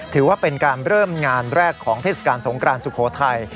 ถือว่าเป็นการเริ่มงานแรกของเทศกาลสงกรานสุโขทัย